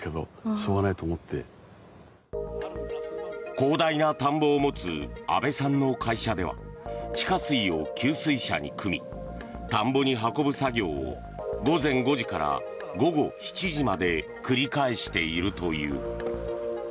広大な田んぼを持つ阿部さんの会社では地下水を給水車にくみ田んぼに運ぶ作業を午前５時から午後７時まで繰り返しているという。